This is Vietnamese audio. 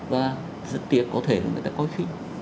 và rất tiếc có thể người ta có khích